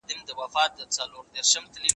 موږ چي ول بالا به چای خوږ وي باره تریخ و